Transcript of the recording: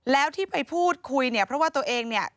แล้วที่ไปพูดคุยเนี่ยเพราะว่าตัวเองเนี่ย